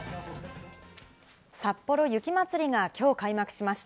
さっぽろ雪まつりがきょう開幕しました。